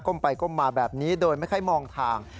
ไปก้มมาแบบนี้โดยไม่ค่อยมองทาง